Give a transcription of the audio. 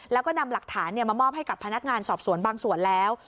แล้วก็นำหลักฐานมามอบให้กับพนักงานสอบสวนบางส่วนแล้ว